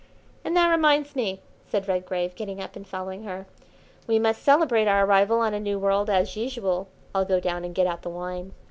"And that reminds me," said Redgrave, getting up and following her, "we must celebrate our arrival on a new world as usual. I'll go down and get out the wine.